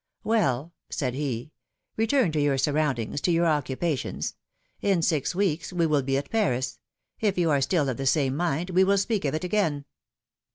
Well," said he, return to your surroundings, to your occupations. In six weeks we will be at Paris; if you are still of the same mind, we will speak of it again."